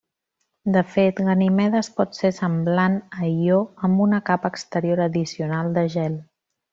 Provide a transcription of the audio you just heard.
De fet, Ganimedes pot ser semblant a Ió amb una capa exterior addicional de gel.